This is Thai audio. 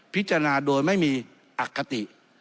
พิจารณาโดยไม่มีอคติ